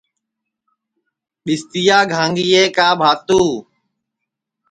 ٻستِیا گھانگِئے کا بھانتو